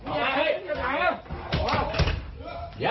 ออกมา